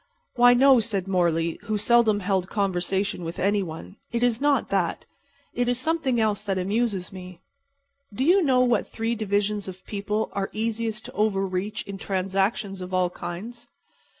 "Why, no," said Morley, who seldom held conversation with any one. "It is not that. It is something else that amuses me. Do you know what three divisions of people are easiest to over reach in transactions of all kinds?"